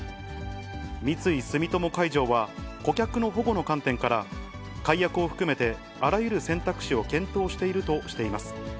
三井住友海上は、顧客の保護の観点から、解約を含めてあらゆる選択肢を検討しているとしています。